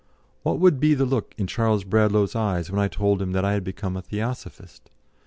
What would be the look in Charles Bradlaugh's eyes when I told him that I had become a Theosophist?